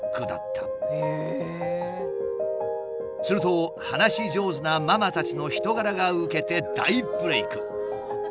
すると話し上手なママたちの人柄が受けて大ブレーク。